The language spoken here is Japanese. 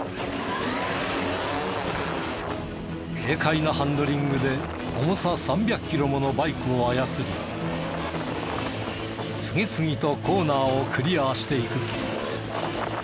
軽快なハンドリングで重さ３００キロものバイクを操り次々とコーナーをクリアしていく。